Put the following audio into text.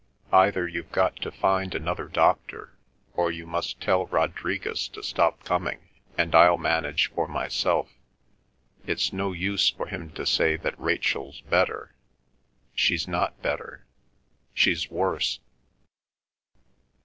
Either you've got to find another doctor, or you must tell Rodriguez to stop coming, and I'll manage for myself. It's no use for him to say that Rachel's better; she's not better; she's worse."